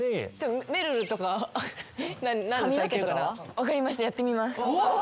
分かりましたやってみます。